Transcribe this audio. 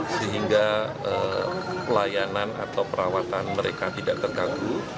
sehingga pelayanan atau perawatan mereka tidak terganggu